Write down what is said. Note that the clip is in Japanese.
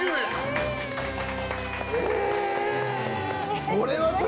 えっ！？